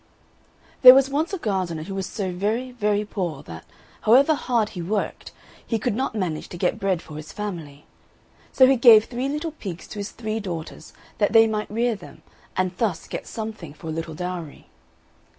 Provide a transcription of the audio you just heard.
There was once a gardener who was so very very poor that, however hard he worked, he could not manage to get bread for his family. So he gave three little pigs to his three daughters, that they might rear them, and thus get something for a little dowry.